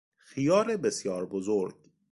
خیار بسیار بزرگ